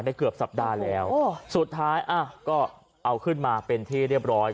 เกือบสัปดาห์แล้วสุดท้ายอ่ะก็เอาขึ้นมาเป็นที่เรียบร้อย